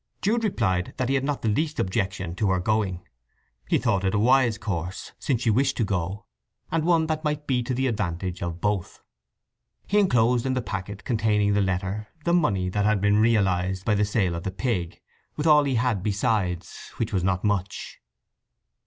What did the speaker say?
Jude replied that he had not the least objection to her going. He thought it a wise course, since she wished to go, and one that might be to the advantage of both. He enclosed in the packet containing the letter the money that had been realized by the sale of the pig, with all he had besides, which was not much.